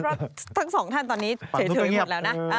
เพราะทั้งสองท่านตอนนี้เฉยหมดแล้วนะ